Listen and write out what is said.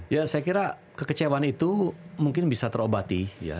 ya saya kira kekecewaan itu mungkin bisa terobati